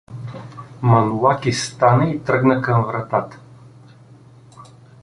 Манолаки стана и тръгна към вратата.